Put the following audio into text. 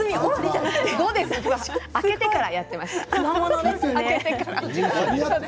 明けてからやっていました。